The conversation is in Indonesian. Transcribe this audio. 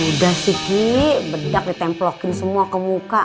udah sih ghi bedak ditemplokin semua ke muka